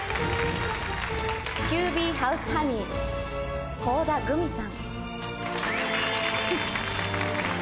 「ＱＢハウスハニー」